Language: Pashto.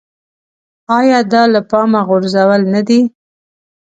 ایا دا له پامه غورځول نه دي.